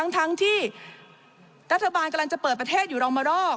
ทั้งที่รัฐบาลกำลังจะเปิดประเทศอยู่รองมารอก